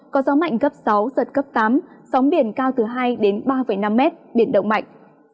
có gió mạnh cấp sáu giật cấp tám sóng biển cao từ hai đến ba năm mét biển động mạnh